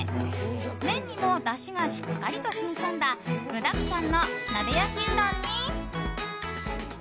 麺にもだしがしっかりと染み込んだ具だくさんの鍋焼きうどんに。